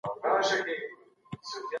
که پیسې نه لرې نو خبره دې وزن نه لري.